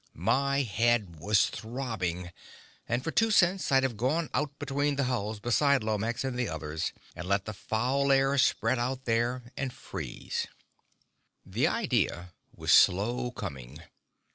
My head was throbbing, and for two cents I'd have gone out between the hulls beside Lomax and the others and let the foul air spread out there and freeze.... The idea was slow coming.